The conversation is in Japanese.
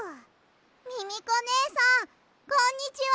ミミコねえさんこんにちは！